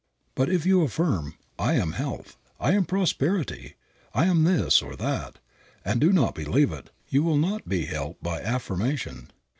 But if you affirm, "I am health; I am prosperity; I am this or that," and do not believe it, you will not be helped by affirmation.